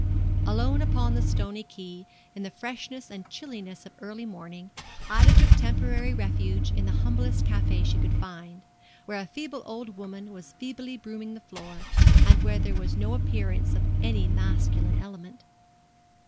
Alone upon the stony quay, in the freshness and chilliness of early morning, Ida took temporary refuge in the humblest café she could find, where a feeble old woman was feebly brooming the floor, and where there was no appearance of any masculine element.